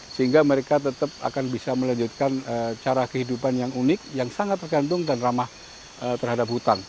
sehingga mereka tetap akan bisa melanjutkan cara kehidupan yang unik yang sangat tergantung dan ramah terhadap hutan